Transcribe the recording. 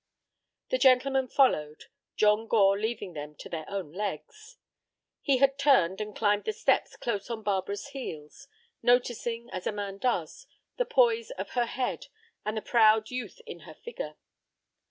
The gentlemen followed, John Gore leaving them to their own legs. He had turned and climbed the steps close on Barbara's heels, noticing, as a man does, the poise of her head and the proud youth in her figure.